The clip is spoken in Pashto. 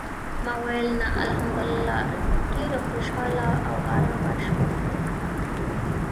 ما ویل: "نه، الحمدلله ډېره خوشاله او آرامه شپه مو تېره کړه".